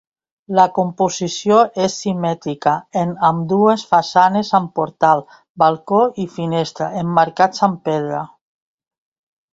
La composició és simètrica en ambdues façanes amb portal, balcó i finestra emmarcats amb pedra.